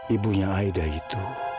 ibunya aida itu